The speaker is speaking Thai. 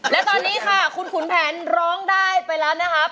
และตอนนี้ค่ะคุณขุนแผนร้องได้ไปแล้วนะครับ